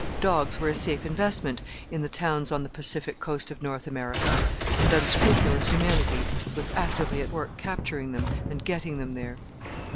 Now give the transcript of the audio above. Dogs were a safe investment in the towns on the Pacific Coast of North America, and unscrupulous humanity was actively at work capturing them and getting them there.